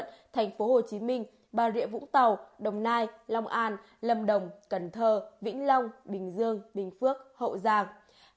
ninh thuận tp hcm bà rịa vũ tàu đồng nai long an lâm đồng cần thơ vĩnh long bình dương bình phước hậu giang